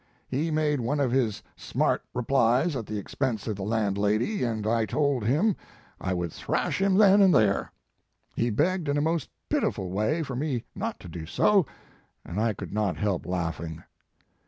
He made one of his smart re plies at the expense of the landlady, and His Life and Work. 89 I told him I would thrash him then and there. He begged in a most pitiful way for rne not to do so, and I could not help laughing.